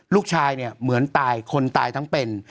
ลูกชายเนี่ยเหมือนตายคนตายทั้งเป็น